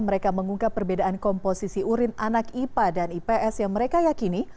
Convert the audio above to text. mereka mengungkap perbedaan komposisi urin anak ipa dan ips yang mereka yakini